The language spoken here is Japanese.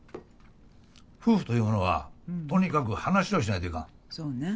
夫婦というものはとにかく話をしないといかん。